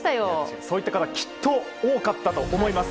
そういった方きっと多かったと思います。